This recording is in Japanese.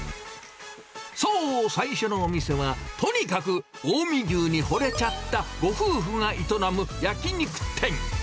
そう、最初のお店は、とにかく近江牛にほれちゃったご夫婦が営む焼き肉店。